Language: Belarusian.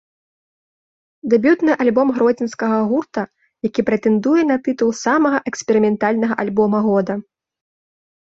Дэбютны альбом гродзенскага гурта, які прэтэндуе на тытул самага эксперыментальнага альбома года.